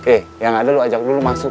eh yang ada lo ajak dulu masuk